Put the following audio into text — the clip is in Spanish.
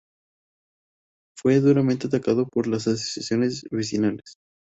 Fue duramente atacado por las Asociaciones Vecinales.